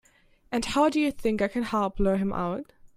And how do you think I can help lure him out?